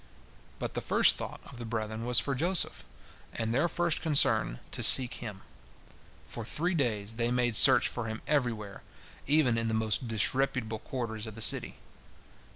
But the first thought of the brethren was for Joseph, and their first concern, to seek him. For three days they made search for him everywhere, even in the most disreputable quarters of the city.